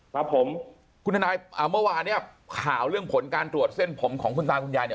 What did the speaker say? ครับผมคุณทนายเมื่อวานเนี่ยข่าวเรื่องผลการตรวจเส้นผมของคุณตาคุณยายเนี่ย